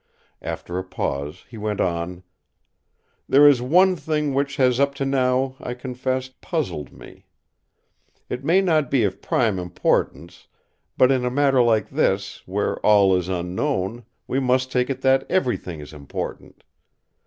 After a pause he went on: "There is one thing which has up to now, I confess, puzzled me. It may not be of prime importance; but in a matter like this, where all is unknown, we must take it that everything is important.